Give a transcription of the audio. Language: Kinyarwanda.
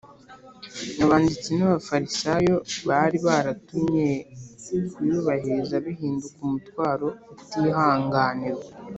. Abanditsi n’Abafarisayo bari baratumye kuyubahiriza bihinduka umutwaro utihanganirwa.